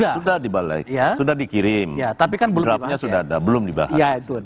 sudah di balik sudah dikirim draftnya sudah ada belum dibahas